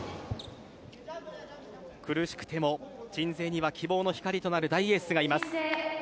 苦しくても鎮西には希望の光となる大エースがいます。